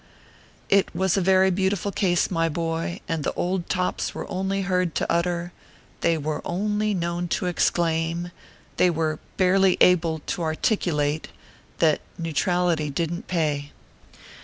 It was a very beautiful case, my boy, and the old tops were only heard to utter they were only known to exclaim they were barely able to articulate that neutrality didn t pay.